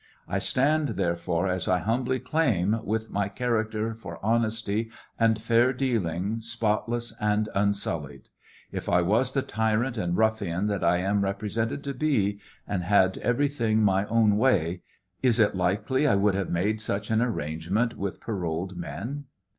I stand, therefore, as I hum bly claim, with my character for honesty and fair dealing spotless and unsullied. If I was the tyrant and ruffian that I am represented to be, and had every thing my own way, is it likely I would have made such an arrangement with pSroled men